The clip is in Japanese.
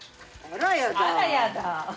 あらやだ。